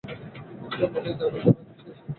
সে মোটেই জানিত না যে, সে সিংহ।